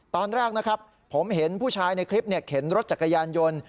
ตอนแรกนะครับผมเห็นผู้ชายในคลิปเข็นรถจักรยานยนต์